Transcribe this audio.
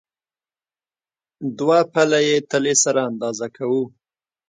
دوه پله یي تلې سره اندازه کوو.